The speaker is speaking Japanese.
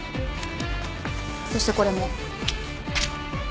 そしてこれも。